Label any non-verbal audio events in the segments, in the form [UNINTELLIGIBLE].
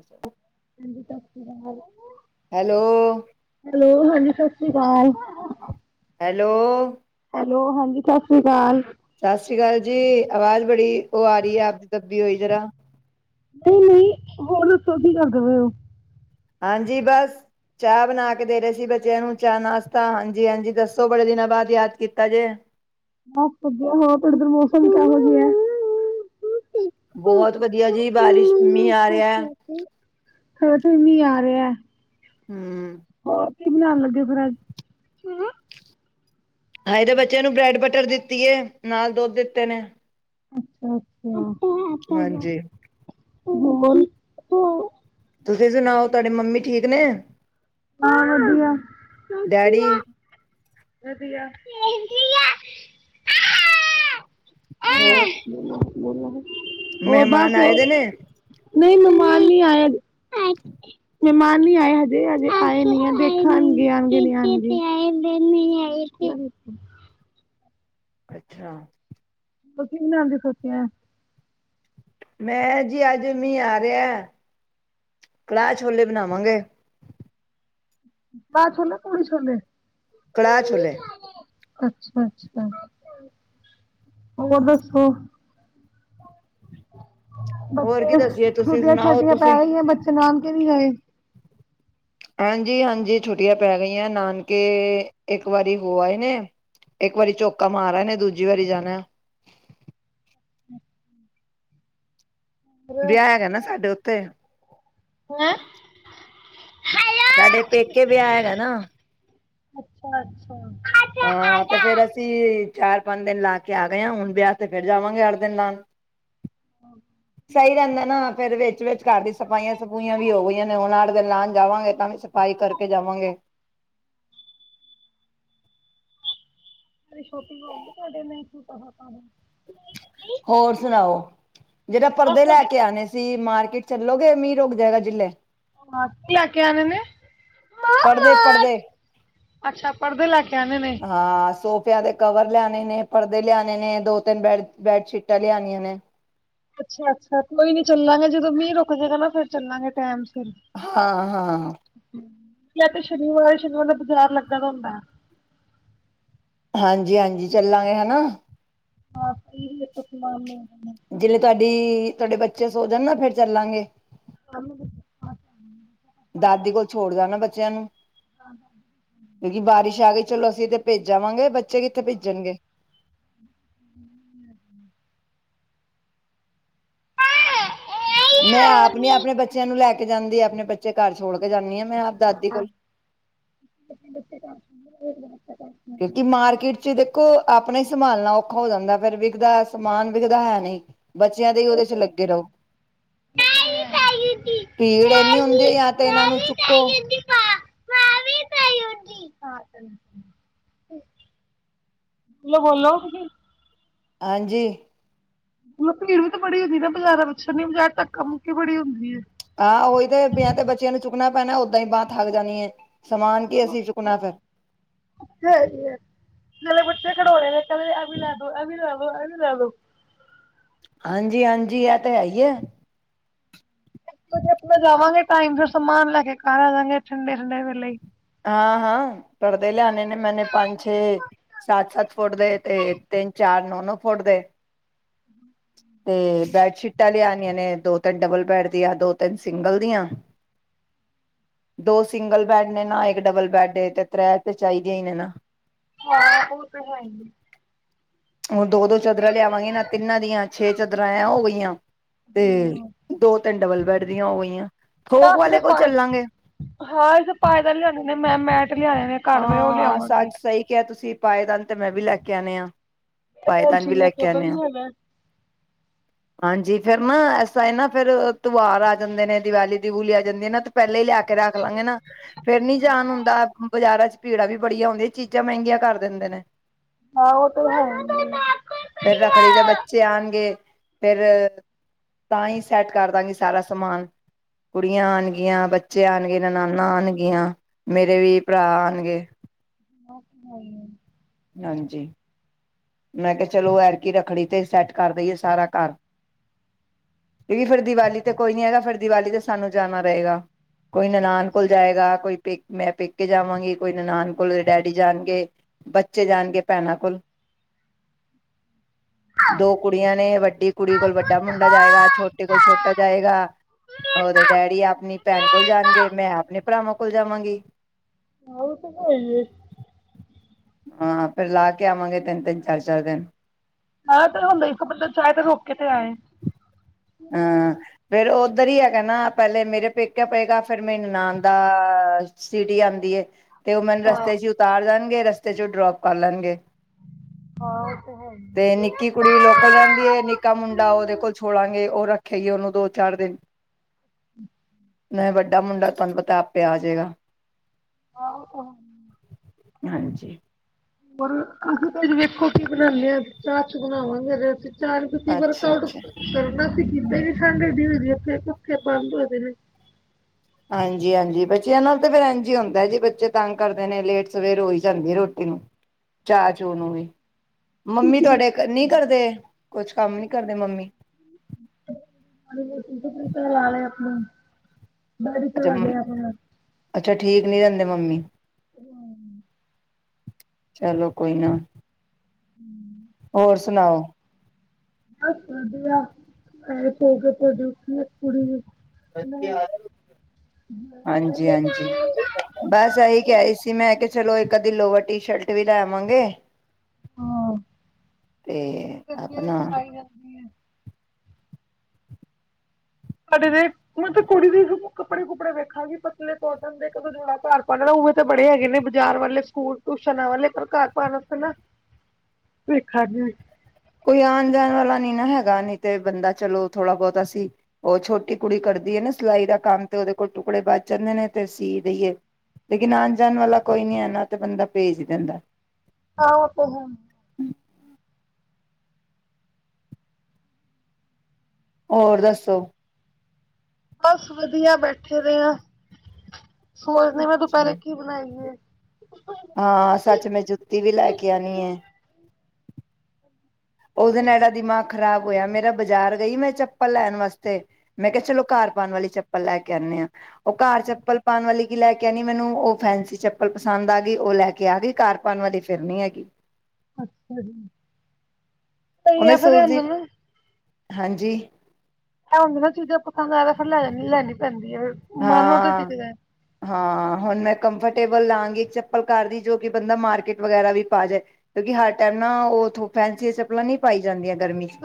ਅੱਛਾ ਹਾਂ ਸਤ ਸ਼੍ਰੀ ਅਾਲ ਹੈਲੋ, ਹੈਲੋ ਹਾਂਜੀ ਸਤ ਸ਼੍ਰੀ ਅਕਾਲ ਹ ਹੈਲੋ ਹੈਲੋ ਹਾਂਜੀ ਸਤਿ ਸ਼੍ਰੀ ਕਾਲ ਸਤਿ ਸ੍ਰੀ ਕਾਲ ਜੀ ਅਵਾਜ਼ ਬੜੀ ਉਹ ਆ ਰਹੀ ਏ ਆਪਦੀ ਦੱਬੀ ਹੋਈ ਜਰਾ ਨਹੀਂ ਨਹੀਂ ਹੋਰ ਸਧੀ ਕਰ ਦੇਵੇ ਉਹ ਹਾਂਜੀ ਬਸ ਚਾਹ ਬਨਾ ਕੇ ਦੇ ਰਹੇ ਸੀ ਬੱਚਿਆਂ ਨੂੰ ਚਾਹ ਨਾਸ਼ਤਾ ਹਾਂਜੀ ਹਾਂਜੀ ਦੱਸੋ ਬੜੇ ਦਿਨਾਂ ਬਾਅਦ ਯਾਦ ਕੀਤਾ ਜੇ ਬਸ ਵਧੀਆ ਹੋਰ ਤੁਹਾਡੇ ਮੌਸਮ ਕੇਵੇ ਜਿਆ ਬੋਤ ਵਧੀਆ ਜੀ ਬਾਰਿਸ਼ ਮੀਂਹ ਆ ਰਿਹਾ ਹ [INAUDIBLE] ਹੁ ਕੀ ਬਨਾਉਣ ਲੱਗੇ ਫਿਰ ਅੱਜ? ਹਾਏ ਦੇ ਬੱਚਿਆਂ ਨੂੰ ਬ੍ਰੈਡ--ਬ ਬਰੈਡ ਦਿੱਤੀ ਏ ਨਾਲ ਦੁੱਧ ਦਿੱਤੇ ਨੇ, ਅੱਛਾ ਅੱਛਾ। ਹਾਂਜੀ। ਬ ਹ [INAUDIBLE] ਤੁਸੀ ਸੁਨਾਓ ਤੁਹਾਡੇ ਮੰਮੀ ਠੀਕ ਨੇ? ਹਾਂ। ਵਧੀਆ ਡੈਡੀ ਵਧੀਆ। ਹੋ [INAUDIBLE] ਅ ਬੋ ਬੋਲ [INAUDIBLE] ਮੇਹਮਾਨ ਆਏ ਦੇ ਨੇ? ਨਈ ਮਮਾਨ ਨਈ ਆਏ। [INAUDIBLE] ਮੇਹਮਾਨ ਨੀ ਆਏ ਹਜੇ ਹਜੇ ਆਏ ਨ ਦੇਖਣ ਨ [INAUDIBLE] ਅੱਛਾ। ਤੁਸੀਂ ਕੀ ਬਨਾਨ ਦੀ ਸੋਚਿਆ। ਮੈਂ ਜੀ ਅੱਜ ਮੀਂਹ ਆ ਰਿਹਾ ਕੜਾਹ ਛੋਲੇ ਬਨਾਵਾਂਗੇ। ਕੜਾਹ ਛੋਲੇ ਪੂੜੀ ਛੋਲੇ। ਕੜਾਹ ਛੋਲੇ। ਅੱਛਾ ਅੱਛਾ। ਹੋਰ ਦੱਸੋ? ਹੋਰ ਕੀ ਬੱਚੇ ਦੱਸੀਏ ਤੁਸੀਂ ਛੁੱਟੀਆਂ ਸੁਣਾਓ ਛਾਟੀਆਂ ਪੈ ਤੁਸੀਂ ਗਈਆ, ਬੱਚੇ ਨਾਨਕੇ ਨੀ ਗਏ? ਹਾਂਜੀ ਹਾਂਜੀ ਛੁੱਟੀਆਂ ਪੈ ਗਈਆਂ ਨਾਨਕੇ ਇੱਕ ਵਾਰੀ ਹੋ, ਆਏ ਨੇ ਇੱਕ ਵਾਰੀ ਝੋਕਾ ਮਾਰ ਆਏ ਨੇ ਦੂਜੀ ਵਾਰੀ ਜਾਨਾ। ਵਿਆਹ ਹੈਗਾ, ਨਾ ਸਾਡੇ ਉੱ ਤੇ--ਤ ਹੈਂ? [INAUDIBLE] ਸਾਡੇ ਪੇਕੇ ਵਿਆਹ ਹੈਗਾ ਨਾ, ਅੱਛਾ ਅੱਛਾ। ਹਾਂ ਤੇ ਫਿਰ ਅਸੀਂ ਚਾਰ ਪੰਜ ਦਿਨ ਲਾ ਕੇ ਆ ਗਏ ਹਾਂ, ਹੁਣ ਵਿਆਹ ਤੇ ਫਿਰ ਜਾਵਾਂਗੇ ਅੱਠ ਦਿਨ ਲਾਉਣ ਸਹੀ ਰਹਿੰਦਾ, ਨਾ ਫਿਰ ਵਿਚ ਵਿਚ ਘਰ ਦੀ ਸਫਾਈਆਂ ਸਫੂਈਆਂ ਵੀ ਹੋ ਗਈਆਂ, ਨੇ ਹੁਣ ਅੱਠ ਦਿਨ ਲਾਉਣ ਜਾਵਾਂਗੇ, ਤਾਂ ਵੀ ਸਫ਼ਾਈ ਕਰਕੇ ਜਾਵਾਂਗੇ। ਅ ਛੋਟੀ ਲੋਕ ਵੀ ਤੁਹਾਡੇ ਮਸੂ ਹੋਰ ਸੁਣਾਓ ਜਿਹੜੇ ਬਸ ਪਰਦੇ ਲੈ ਤੁਹਾਡੇ ਕੇ ਆਉਣੇ ਸੀ, ਮਾਰ ਮਾਰਕਟ ਚੱਲੋਗੇ ਮੀਂਹ ਰੁਕ ਜਾਏਗਾ, ਜਿੰਨੇ? ਹਾਂ, ਕੀ ਲਾ ਕੇ ਆਣੇ ਨੇ? ਪੜ੍ਹਦੇ ਪੜ੍ਹਦੇ ਅੱਛਾ ਪਰਦੇ ਲੈ ਕੇ ਆਣੇ ਨੇ ਹਾਂ ਸੋ ਸੋਫੇ ਦੇ ਕਵਰ ਲਿਆਣੇ ਨੇ ਪਰਦੇ ਲਿਆਣੇ ਨੇ ਦੋ ਤਿੰਨ ਬੈਡਸ਼ੀਟਾਂ ਲਿਆਣੀਆਂ ਨੇ ਅੱਛਾ ਅੱਛਾ ਕੋਈ ਨੀ ਚੱਲਾਂਗੇ, ਜਦੋਂ ਮੀਂਹ ਰੁਕ ਜਏਗਾ, ਨਾ ਫੇਰ ਚੱਲਾਂਗੇ ਟਾਈਮ ਸਿਰ ਹਾਂ ਹਾਂ। ਤੇ ਸ਼ਨੀਵਾਰ ਸ਼ਨੀਵਾਰ ਦਾ ਬਾਜ਼ਾਰ ਲੱਗਾ ਦਾ ਹੁੰਦਾ। ਹਾਂਜੀ ਹਾਂਜੀ ਚੱਲਾਂਗੇ ਹਨਾ। ਹਾਂ ਇਹ ਲੇ ਜਿਵੇ ਤੁਹਾਡੀ ਤੁਹਾਡੇ ਬੱਚੇ ਸੋ ਜਾਣ ਨਾ ਫੇਰ ਚੱਲਾਂਗੇ। ਉਹਨੂੰ ਦਾਦੀ ਕੋਲ ਛੋੜਦਾ ਨਾ ਬੱਚਿਆਂ ਨੂੰ ਬੋਲੋ ਕਿਉਂਕਿ ਬਾਰਿਸ਼ ਆ ਕੇ ਚਲੋ ਅਸੀ ਤੇ ਭੇਜਾਵਾਂਗੇ ਬੱਚੇ ਬੱਚੇ ਕਿੱਥੇ ਭੇਜਣਗੇ। ਮੈਂ ਆਪ ਨੀ ਆਪਣੇ ਬੱਚਿਆਂ ਨੂੰ ਲੈ ਕੇ ਜਾਂਦੀ ਆਪਣੇ ਬੱਚੇ ਘਰ ਛੋੜ ਜਾਂਦੀ ਹ ਮੈਂ ਆਪ ਦਾਦੀ ਕੋਲ ਹ। ਕਿਉਂਕਿ ਮਾਰਕੀਟ ਚ ਦੇਖੋ ਆਪਣਾ ਹੀ ਸੰਭਾਲਣਾ ਔਖਾ ਹੋ ਜਾਂਦਾ ਫੇਰ ਵਿਕਦਾ ਸਮਾਨ ਵਿਕਦਾ ਹੈ ਨਹੀਂ। ਬੱਚਿਆਂ ਦੇ ਹੀ ਉਹਦੇ ਚ ਲੱਗੇ ਰਹੋ ਭੀੜ ਇਨੀ ਹੁੰਦੀ ਹੈ ਜਾਂ ਤਾਂ ਇਹਨਾਂ ਨੂੰ ਚੁੱਕੋ। ੋ ਬੋਲੋਸੀ। ਹਾਂਜੀ। ਮਤਲ ਭੀੜ ਵੀ ਤਾਂ ਬੜੀ ਹੁੰਦੀ ਨਾ ਬਾਜ਼ਾਰਾਂ ਵਿੱਚਛਣ ਨੀ ਬਜ਼ਾਰ ਧੱਕ ਮੁੱਕੀ ਬੜੀ ਹੁੰਦੀ ਹੈ। ਆਾਂ ਉਹੀ ਤੇ ਵਿਆਹ ਤੇ ਬੱਚਿਆਂ ਨੂੰ ਚੁੱਕਣਾ ਪੈਣਾ ਓਦਾਂ ਹੀ ਬਾਂਹ ਥਕ ਜਾਣੀ ਹੈ। ਸਮਾਨ ਸ ਕੀ ਅਸੀਂ ਚੁੱਕਣਾ ਬ। ਫਿਰ ੇ ਖਟੋਰੇ ਦੇ। ਅ ਲ ਅ ਲ। ਉਹ ਆ ਲ। ਹਾਂਜੀ ਹਾਂਜੀ ਆ ਤੇ ਹੈਈ ਹੈ। ਆਪਣਾ ਜਾਵਾਂਗੇ ਟਾਈਮ ਫ ਸਮਾਨ ਲੈ ਕੇ ਘਰ ਆ ਜਾਾਂਗੇ ਠੰਡੇ ਠੰਡੇ ਵੇਲੇ ਹਾਂ ਹਾਂ ਪਰਦੇ ਲਿਆਣੇ ਨੇ ਮੈਨੇ ਪੰਜ ਛੇ ਸਤ ਸੱਤ ਫੁਟ ਦੇ ਤੇ ਤਿੰਨ ਚਾਰ ਨੋ ਨੋ ਫੁੱਟ ਦੇ ਤੇ ਬੈਡਸ਼ੀਟਾਂ ਲਿਆਉਣੀਆਂ ਨੇ ਦੋ ਤਿੰਨ ਡਬਲ ਬੈਡ ਦੀਆਂ ਦੋ ਤਿੰਨ ਸਿੰਗਲ ਦੀਆਂ ਦੋ ਸਿੰਗਲ ਬੈਡ ਨੇ ਨਾ ਇੱਕ ਡਬਲ ਬੈਡ ਤੇ ਤ੍ਰੈ ਤੇ ਚਾਹੀਦੀਆਂ ਹੀ ਨਾ। ਹਾਂ ਉਹ ਤੇ ਹੈ ਹੀ। ਹੁਣ ਦੋ ਦੋ ਚਾਦਰਾਂ ਲਿਆਵਾਂਗੇ ਨਾ ਤਿੰਨਾਂ ਦੀਆਂ ਛੇ ਚਾਦਰਾਂ ਐ ਹੋ ਗਈਆਂ ਤੇ ਦੋ ਤਿੰਨ ਡਬਲ ਬੜਦੀਆਂ ਹੋ ਗਈਆਂ। ਨਾ ਥੋਕ ਅਸੀਂ ਵਾਲੇ ਕੋਲ ਤੇਏ ਚੱਲਾਂਗੇ ਹਾਂ ਅ ਤੇ ਪਾਏਦ ਲਿਆਣੇ ਨੇ ਮੈਂ ਮੈਟ ਲਿਆਣੇ ਨੇ ਘਰ ਦੇ ਉਹ ਹਾਂ ਲਿਆਵਾਂਗੀ ਸੱਚ ਸਹੀ ਕਿਹਾ ਤੁਸੀਂ ਪਾਏਦਾਨ ਤੇ ਮੈਂ ਵੀ ਲੈ ਕੇ ਆਉਂਣੇ ਆਂ। ਪਾਏਦਾਨ ਆਕਾਂਸ਼ੀ ਵੀ ਲੈ ਦਾ ਕੇ ਕਦਰ ਆਉਦੇ ਹ ਨੀ ਹੈਗਾ। ਹਾਂਜੀ। ਫੇਰ ਨਾ ਐਸਾ ਨਾ ਫੇਰ ਤਿਵਹਾਰ ਆ ਜਾਂਦੇ ਨੇ ਦੀਵਾਲੀ ਦੀਵੂਲੀ ਆ ਜਾਂਦੀ ਹੈ ਨਾ ਤੇ ਪਹਿਲੇ ਹੀ ਲਿਆ ਕੇ ਕੇ ਰੱਖ ਲਾਂਗੇ ਨਾ ਫੇਰ ਨੀ ਜਾਨ ਹੁੰਦਾ। ਬਾਜ਼ਾਰਾਂ ਚ ਭੀੜਾ ਵੀ ਬੜੀਆਂ ਹੁੰਦੀਆਂ ਚੀਜ਼ਾਂ ਮਹਿੰਗੀਆਂ ਕਰ ਦਿੰਦੇ ਨੇ ਹਾਂ ਉਹ ਫਿਰ ਤਾਂ ਹੀ ਸੈਟ ਕਰ ਦਾਂਗੀ ਸਾਰਾ ਸਮਾਨ ਕੁੜੀਆਂ ਆਣਗੀਆਂ ਬੱਚੇ ਆਉਣਗੇ ਨ ਨਾਨਾਂ ਆਉਣਗੀਆਂ ਮੇਰੇ ਵੀ ਭਰਾ ਆਉਣਗੇ ਆ ਹਾਂਜੀ ਮੈਂ ਕਿਹਾ ਚਲੋ ਐਰਕੀ ਰੱਖੜੀ ਤੇ ਸੈਟ ਕਰ ਦੇਈਏ ਸਾਰਾ ਘਰ ਇਹ ਵੀ ਫੇਰ ਦੀਵਾਲੀ ਤੇ ਕੋਈ ਨੀ ਹੈਗਾ ਫਿਰ ਦੀਵਾਲੀ ਤੇ ਸਾਨੂੰ ਜਾਣਾ ਰਹੇਗਾ ਕੋਈ ਨਨਾਾਨ ਕੋਲ ਜਾਏਗਾ ਕੋਈ ਪੇ ਮੈਂ ਪੇਕੇ ਜਾਵਾਂਗੀ ਕੋਈ ਨਨਾਾਨ ਕੋਲਦੇ ਡੈਡੀ ਜਾਣਗੇ ਬੱਚੇ ਬੱਚੇ ਜਾਣਗੇ ਭੈਣਾਂ ਕੋਲ ਦੋ ਕੁੜੀਆਂ ਨੇ ਵੱਡੀ ਕੁੜੀ ਕੋਲ ਵੱਡਾ ਮੁੰਡਾ ਜਾਏਗਾ ਛੋਟੇ ਕੋਲ ਛੋਟਾ ਜਾਏਗਾ ਉਹਦੇ ਡੈਡੀ ਆਪਣੀ ਭੈਣ ਕੋਲ ਜਾਣਗੇ ਮੈਂ ਆਪਣੇ ਭਰਾਵਾਂ ਕੋਲ ਕੋਲ ਜਾਵਾਂਗੇ ਆ ਤੇ ਕਈਏ ਹਾਂ ਫਿਰ ਲਾ ਕੇ ਆਵਾਂਗੇ ਤਿੰਨ ਤਿੰਨ ਚਾਰ ਚਾਰ ਦਿਨ ਆ ਤੇ ਹੁੰਦਾ ਇੱਕ ਬੰਦਾ ਚਾਹ ਤੇ ਰੋ ਕੇ ਤੇ ਆਏ ਹਾਂ ਫੇਿਰ ਉੱਧਰ ਹੀ ਹੈਗਾ ਨਾ ਪਹਿਲੇ ਮੇਰੇ ਪੇਕੇ ਪਏਗਾ ਫੇਿਰ ਮੈਨੂੰ ਨਉਂਦਾ ਸਿਟੀ ਆਉਂਦੀ ਤੇ ਉਹ ਮੈਨੂੰ ਰਸਤੇ ਚ ਉਤਾਰ ਜਾਣ ਰਸਤੇ ਚ ਡਰੋਪ ਕਰ ਲੈਣਗੇ ਤੇ ਨਿੱਕੀ ਕੁੜੀ ਲੋਕਲ ਰਹਿੰਦੀ ਹੈ ਨਿੱਕਾ ਮੁੰਡਾ ਉਹਦੇ ਕੋਲ ਛੋੜਾਂਗੇ ਉਹ ਰੱਖਿਆ ਹੀ ਉਹਨੂੰ ਦੋ ਚਾਰ ਦਿਨ ਹਮ ਨਹੀਂ ਵੱਡਾ ਮੁੰਡਾ ਤੁਹਾਨੂੰ ਪਤਾ ਆਪੇ ਆ ਜੇਗਾ ਆਹ ਉਹ ਹਾਂਜੀ ਹੋਰ ਤੁਸੀਂ ਵੇਖੋ ਕੀ ਬਣਾਉਦੇ ਆ ਚਾਹ ਚ ਬਣਾਵਾਂਗੇੇਰੇ ਅਸੀਂ ਚਾਰਤੀ ਵਰਕ ਅੱਛਾ ਆਊਟ ਅੱਛਾ ਕਰਨਾ ਸੀ ਕਿਦਾਂ ਵੀ ਠੰਡ ਦੀ ਹਦੀ ਥੇ ਪੱੱਖੇ ਬੰਦ ਹੋਏਦੇ ਨੇ ਹਾਂਜੀ- ਹਾਂਜੀ ਬੱਚੀ ਇਹ ਨਾਲ ਤੇ ਫਿਰ ਇੰਝ ਹੁੰਦਾ ਜੀ ਬੱਚੇ ਤੰਗ ਕਰਦੇ ਨੇ ਲੇਟ ਸਵੇਰ ਹੋਈ ਜਾਂਦੀ ਰੋਟੀ ਨੂੰ ਚਾਹ ਚੂ ਨੂੰ ਵੀ ਮੰਮੀ ਤੁਹਾਡੇ ਨੀ ਕਰਦੇ ਕੁਛ ਕੰਮ ਨੀ ਕਰਦੇ ਮੰਮੀ। ਜੀ ਬਿਲਕੁਲ ਲਾਲ ਆ ਆਪਾਂ ਬਾਰੀ ਚ ਅੱਛਾ ਵਲੇ ਆਪਣਾ ਅੱਛਾ ਠੀਕ ਨੀ ਰਹਿੰਦੇ ਮੰਮੀ [INAUDIBLE] ਚਲੋ ਕੋਈ ਨਾ ਹੋਰ ਸੁਣਾਓ ਬਸ ਵਧੀਆ ਐ ਸੋ ਕੇ ਹੁਣ ਉੱਠੀ ਕੁੜੀ ਨੂੰ ਹਾਂਜੀ- ਹਾਂਜੀ, ਬਸ ਇਹੀ ਕਹਿ ਰਹੀ ਸੀ ਮੈਂ ਕੇ ਚਲੋ ਇੱਕ ਦੀ ਲੋਵਰ ਟੀ-ਸ਼ਰਟ ਵੀ ਲੈ ਆਵਾਂਗੇ। ਹਾਂ ਤੇ ਗਰਮੀਆਂ ਵਿੱਚ ਆਪਣਾ ਪਾਈ ਜਾਂਦੀ ਐ। ਸਾਡੇ ਦੇ ਮੈਂ ਕੁੜੀ ਦੇ ਕੱਪੜੇ ਕੁਪੜੇ ਵੇਖਾਂਗੇ ਪਤਲੇ ਕੋਟਨ ਦੇ ਕ ਜੋੜਾ ਘਰ ਪਾ ਉ ਤਾਂ ਬੜੇ ਹੈਗੇ ਨੇ ਬਜ਼ਾਰ ਵਾਲੇ ਸਕੂਲ ਟਿਊਸ਼ਨਾ ਵਾਲੇ ਪਰ ਘਰ ਪਾਣ ਵਾਸਤੇ ਨਾ ਵੇਖਾਂਗੇ। ਕੋਈ ਆਣ ਜਾਣ ਵਾਲਾ ਨੀ ਨਾ ਹੈਗਾ ਨਹੀਂ ਤੇ ਬੰਦਾ ਚਲੋ ਥੋੜ੍ਹਾ ਬਹੁਤਾ ਅਸੀਂ ਉਹ ਛੋਟੀ ਕੁੜੀ ਕਰਦੀ ਏ ਨਾ ਸਿਲਾਈ ਦਾ ਕੰਮ ਤੇ ਉਹਦੇ ਕੋਲ ਟੁਕੜੇ ਬਚ ਜਾਂਦੇ ਨੇ, ਤੇ ਸੀਅ ਦੇਈਏ ਲੇਕਿਨ ਆਣ ਜਾਣ ਵਾਲਾ ਕੋਈ ਨੀ ਹੈ ਨਾ ਤੇ ਬੰਦਾ ਭੇਜ ਦਿੰਦਾ। ਆਹ ਤੇ ਹੈ। ਹੋਰ ਦੱਸੋ ਬਸ ਵਧੀਆ ਬੈਠੇ ਰੇ ਆਂ। ਸੋਚਦੇ ਮੈਂ ਦੁਪਹਿਰੇ ਕੀ ਬਣਾਈਏ। ਹਾਂ ਸੱਚ ਮੈਂ ਜੁੱਤੀ ਵੀ ਲੈ ਕੇ ਆਣੀ ਏ। ਉਹਦੇ ਨੈੜਾ ਦੀ ਮਾਂ ਖ਼ਰਾਬ ਹੋਇਆ ਮੇਰਾ ਬਾਜ਼ਾਰ ਗਈ ਮੈਂ ਚੱਪਲ ਲੈਣ ਵਾਸਤੇ ਮੈਂ ਕਿਹਾ ਚਲੋ ਘਰ ਪਾਉਣ ਵਾਲੀ ਚੱਪਲ ਲੈ ਕੇ ਆਨੇ ਆ ਉਹ ਘਰ ਚੱਪਲ ਪਾਉਣ ਵਾਲੀ ਕੀ ਲੈ ਕੇ ਆਣੀ ਮੈਨੂੰ ਉਹ ਫੈਸੀ ਚੱਪਲ ਪਸੰਦ ਆ ਗਈ ਉਹ ਲੈ ਕੇ ਆ ਗਈ ਘਰ ਪਾਉਣ ਵਾਲੀ ਫਿਰ ਨੀ ਹੈਗੀ। ਅੱਛਾ ਜੀ, ਉਹ ਸਹੀ ਆ ਮੈਂ ਫੇਰ ਸੋਚਦੀ ਇਹਨਾਂ ਨੂੰ ਹਾਂਜੀ, ਆਹੋ ਜਿਹੜੀਆ ਚੀਜ਼ਾਂ ਪਸੰਦ ਆ ਫਿਰ ਲੈ ਲੈਣੀ ਪੈਂਦੀ। ਹੈ ਮਨ ਉਹ ਤੇ ਹਾਂ, ਟਿਕਦਾ ਹੈ ਹਾਂ ਹੁਣ ਮੈਂ ਕੰਫਰਟ ਟੇਬਲ ਲਾਂਗੇ ਇੱਕ ਚੱਪਲ ਕਰ ਦੀ ਜੋ ਕਿ ਬੰਦਾ ਮਾਰਕੀਟ ਵਗੈਰਾ ਵੀ ਪਾ ਜਾਏ, ਕਿਉਂਕਿ ਹਰ ਟੈਮ ਨਾ ਉਥੋਂ ਫੈਂਸੀ ਚਪਲਾਂ ਨ ਨਹੀਂ ਪਾਈ ਜਾਂਦੀਆਂ। ਗਰਮੀ ਚ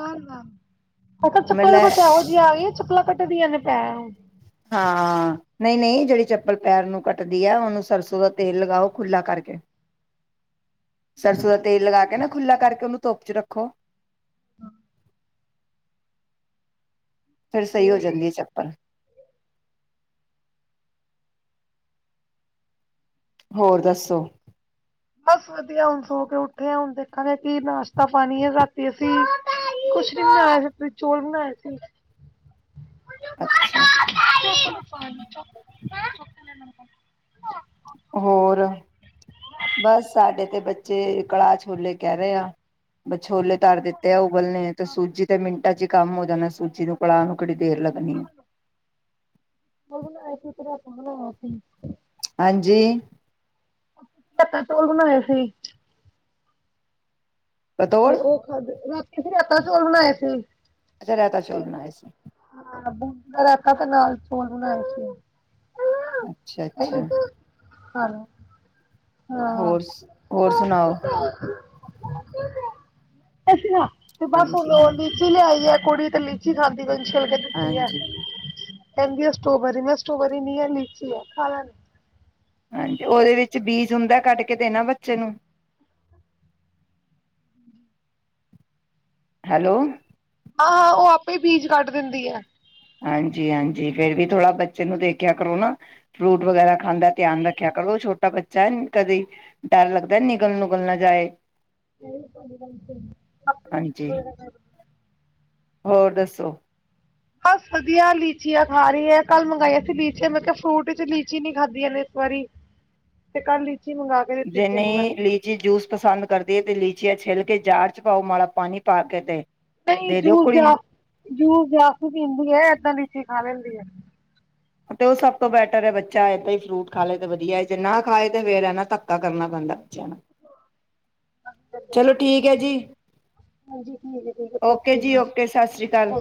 ਚਪਲਾਂ ਮਤਲਬ ਕੁਛ ਇਹੋ ਜਿਹੀ ਆ ਗਈਆਂ ਚਪਲਾਂ ਕੱਟ ਦੀਆਂ ਨੇ ਐ, ਹਾਂ ਨਹੀਂ-ਨਹੀਂ ਜਿਹੜੀ ਚੱਪਲ ਪੈਰ ਨੂੰ ਕੱਟਦੀ ਹੈ ਉਹਨੂੰ ਸਰਸੋਂ ਦਾ ਤੇਲ ਲਗਾਓ ਖੁੱਲਾ ਕਰਕੇ ਸਰਸੋਂ ਦਾ ਤੇਲ ਲਗਾ ਕੇ ਨਾ ਖੁੱਲਾ ਕਰਕੇ ਉਹਨੂੰ ਧੁੱਪ ਚ ਰੱਖੋ। [UNINTELLIGIBLE] ਫੇਰ ਸਹੀ ਹੋ ਜਾਂਦੀ ਹੈ ਚੱਪਲ। ਹੋਰ ਦੱਸੋ ਬਸ ਵਧੀਆ ਹੁਣ ਸੋ ਕੇ ਉੱਠੇ ਆ ਹੁਣ ਦੇਖਾਂਗੇ ਕੀ ਨਾਸ਼ਤਾ ਪਾਣੀ ਹੈ ਰਾਤੀ ਵਾਸ ਕੁਛ ਨੀ ਬਣਾਇਆ। ਫਿਰ ਚੋਲ ਬਣਾਏ ਸੀ। ਅੱਛਾ ਅੱਛਾ ਹੋਰ ਬਸ ਸਾਡੇ ਤੇ ਬੱਚੇ ਕੜਾਹ ਛੋਲੇ ਕਹਿ ਰਹੇ ਆ ਬ ਛੋਲੇ ਤਰ ਦਿੱਤੇ ਆ ਉਬਲ ਨੇ ਤੇ ਸੂਜੀ ਤੇ ਮਿੰ ਕੰਮ ਨਾ ਸੂਜੀ ਨੂੰ ਨੂੰ ਦੇਰ ਲੱਗਣੀ ਆ ਆਪ ਬਣਾ ਸੀ ਹਾਂਜੀ ਧੱਕਾ ਚੋਲ ਬਣਾਏ ਸੀ। ਪਤੋੜ ਤੇ ਉਹ ਖਾਧ ਰ ਂ ਰਾਤਾਂ ਚੋਲ ਬਣਾਏ ਸੀ। ਅੱਛਾ ਰਾਇਤਾ ਚੌਲ ਬਣਾਏ ਸੀ। ਹਾਂ ਬੂੰਦੀ ਦਾ ਰਹਿਖ ਤੇ ਨਾਲ ਚੋਲ ਬਣਾਏ ਸੀ। ਅੱਛਾ ਅੱਛਾ, ਕਰੋ । ਹਾਂ। ਹੋਰ ਹੋਰ ਸੁਣਾਓ ਅਸੀ ਨਾ ਤੇ ਬਸ ਹਾਂਜੀ ਉਹਨਾਂ ਆ ਹਾਂਜੀ ਚ ਲਿਆਈ ਆ। ਕੁੜੀ ਤੇ ਲੀਚੀ ਖਾਂਦੀ ਲ ਕੇ ਦ ਸੀ ਆ। ਹਾਂਜੀ ਕਹਿੰਦੀ ਆ ਸਟ੍ਰੋਬਰੀ ਮੈਂ ਸਟੋਬਰੀ ਨ ਆ ਲੀਚੀ ਆ ਖਾਣਾ ਨੀ ਆ। ਹਾਂਜੀ ਉਹਦੇ ਵਿੱਚ ਬੀਜ ਹੁੰਦਾ ਕੱਢ ਕੇ ਦੇਣਾ ਬੱਚੇ ਨੂੰ ਹੈਲੋ ਹਾਂ ਹਾਂ ਉਹ ਆਪੇ ਬੀਜ ਕੱਢ ਦਿੰਦੀ ਹੈ ਹਾਂਜੀ ਹਾਂਜੀ ਫੇਰ ਵੀ ਥੋੜ੍ਹਾ ਬੱਚੇ ਨੂੰ ਦੇਖਿਆ ਕਰੋ, ਨਾ ਫਰੂਟ ਵਗੈਰਾ ਖਾਂਦਾ ਧਿਆਨ ਰੱਖਿਆ ਕਰੋ ਛੋਟਾ ਬੱਚਾ ਹੈ, ਕਦੇ ਡਰ ਲੱਗਦਾ ਨਿਗਲ ਨੁਗਲ ਨਾ ਜਾਏ। ਨਹੀਂ, ਹਾਂਜੀ ਹੋਰ ਦੱਸੋ? ਹ ਵਧੀਆ ਲੀਚੀਆਂ ਖਾ ਰਹੀ ਹੈ, ਕੱਲ ਮੰਗਾਈਆਂ ਸੀ ਲੀਚੀਆਂ, ਮੈਂ ਕਿਹਾ ਫਰੂਟ ਚ ਲੀਚੀ ਨੀ ਖਾਧਆਂ ਨੇ ਇਸ ਵਾਰੀ ਤੇ ਕੱਲਚ ਜਿਨੀੇ ਲੀਚੀ ਜੂਸ ਪਸੰਦ ਕਰਦੀ ਹੈ, ਤੇ ਲੀਚੀ ਪਛੀਆਂ ਛਿੱਿਲ ਕੇ ਜੜ ਚ ਪਾਓ ਮਾੜਾ ਪਾਣੀ ਪਾ ਕੇ ਤੇ ਨਹੀਂ ਦੇ ਦਿਓ ਜੂਸ ਕੁੜੀ ਜਾਸ ਨੂੰ ਜੂਸ ਜਾਸ ਪੀਂਦੀ ਹੈ, ਏਦਾਂ ਲੀਚੀ ਖਾ ਲੈਂਦੀ ਹੈ। ਤੇ ਉਹ ਸਭ ਤੋਂ ਬੈਟਰ ਹੈ, ਬੱਚਾ ਏਦਾਂ ਹੀ ਫਰੂਟ ਖਾ ਲਏ, ਤੇ ਵਧੀਆ ਹੈ, ਜੇ ਨਾ ਖਾਏ, ਤੇ ਫਿਰ ਨਾ ਧੱਕਾ ਕਰਨਾ ਪੈਂਦਾ ਬੱਚਿਆਂ ਨੂੰ ਚਲੋ ਠੀਕ ਹੈ, ਜੀ ਹਾਂਜੀ ਠੀਕ ਹੈ ਠੀਕ ਹੈ ਓਕੇ ਅੱਛੀ ਜੀ ਗੱਲ ਓਕੇ ਸਤਿ ਸ੍ਰੀ ਅਕਾਲ।